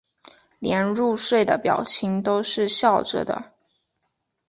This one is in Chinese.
连入睡的表情都是笑着的